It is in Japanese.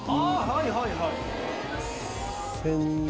はいはいはい。